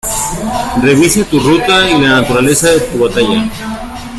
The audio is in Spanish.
Revisa tu ruta y la naturaleza de tu batalla.